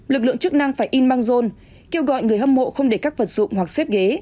lực lượng chức năng phải in băng rôn kêu gọi người hâm mộ không để các vật dụng hoặc xếp ghế